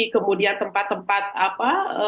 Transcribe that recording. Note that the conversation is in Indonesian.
kemudian tempat tempat apa